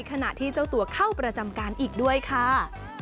ขณะที่เจ้าตัวเข้าประจำการอีกด้วยค่ะ